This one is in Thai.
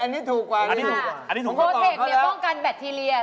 อันนี้ถูกกว่านี้ครับเขาเรียกค่ะก็แล้วโปรเทคพอป่องกันแบตเทีย